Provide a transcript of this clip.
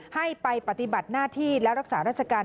ให้ไปปฏิบัติหน้าที่และรักษาราชการ